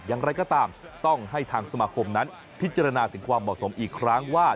อย่างไรก็ตามต้องให้ทางสมาคมนั้นพิจารณาถึงความเหมาะสมอีกครั้งว่า